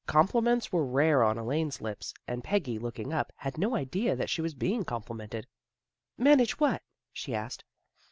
Compliments were rare on Elaine's lips, and Peggy, looking up, had no idea that she was being complimented. " Manage what? " she asked.